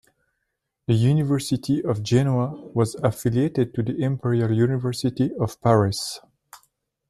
The University of Genoa was affiliated to the Imperial University of Paris.